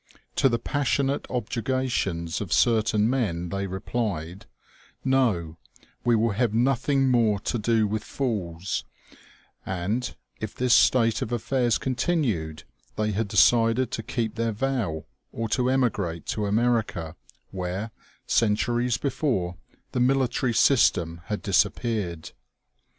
To the passionate objurgations of certain men, they replied :" No ; we will have nothing more to do with fools ;" and, if this state of affairs continued, they had decided to keep their vow, or to emigrate to America, where, centuries before, the military system had disap peared.